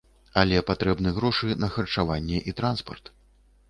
Але патрэбны грошы на харчаванне і транспарт.